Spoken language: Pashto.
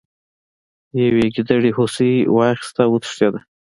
یوې ګیدړې هوسۍ راواخیسته او وتښتیده.